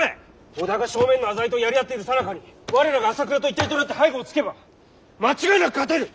織田が正面の浅井とやり合っているさなかに我らが朝倉と一体となって背後をつけば間違いなく勝てる！